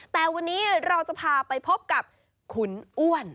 แต่วันนี้เราจะพาไปพบกับขุนอ้วน